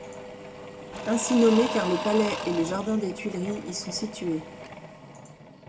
Ainsi nommé car le palais et le jardin des Tuileries y sont situés.